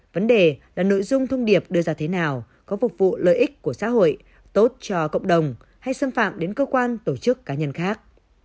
vấn đề là nội dung thông điệp đưa ra thế nào có phục vụ lợi ích của xã hội tốt cho cộng đồng hay xâm phạm đến cơ quan tổ chức cá nhân khác